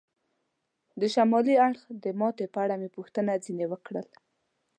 د شمالي اړخ د ماتې په اړه مې پوښتنه ځنې وکړل.